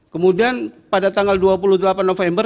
kemudian pada tanggal dua puluh delapan november